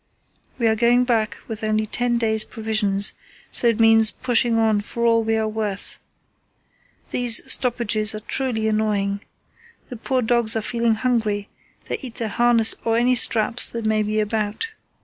We are going back with only ten days' provisions, so it means pushing on for all we are worth. These stoppages are truly annoying. The poor dogs are feeling hungry; they eat their harness or any straps that may be about.